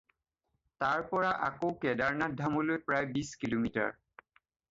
তাৰ পৰা আকৌ কেডাৰনাথ ধামলৈ প্ৰায় বিছ কিলোমিটাৰ।